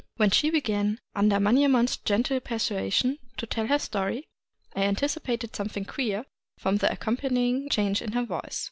When she began, under Manyemon' s gentle persuasion, to tell her story, I anticipated some thing queer from the accompanying change in her voice.